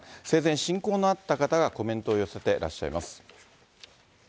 生前親交のあった方がコメントを寄せてらっしゃいます。